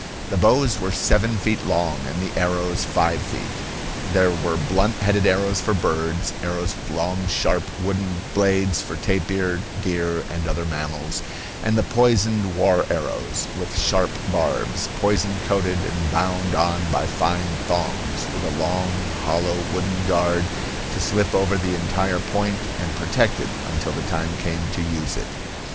The bows were seven feet long and the arrows five feet. There were blunt headed arrows for birds, arrows with long, sharp wooden blades for tapir, deer, and other mammals; and the poisoned war arrows, with sharp barbs, poison coated and bound on by fine thongs, and with a long, hollow wooden guard to slip over the entire point and protect it until the time came to use it.